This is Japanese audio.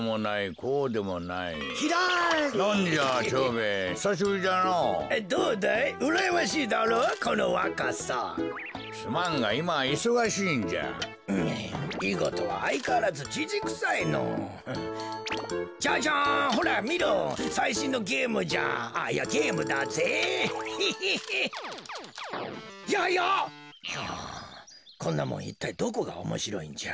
こころのこえはあこんなもんいったいどこがおもしろいんじゃ。